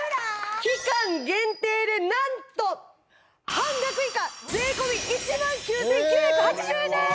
期間限定でなんと半額以下税込１９９８０円です！